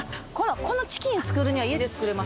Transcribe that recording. このチキン作るには家で作れます？